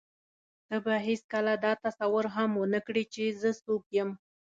ته به هېڅکله دا تصور هم ونه کړې چې زه څوک یم.